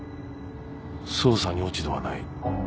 捜査に落ち度はない。